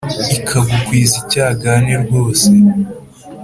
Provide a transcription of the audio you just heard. Ikagukwiza icyagane rwose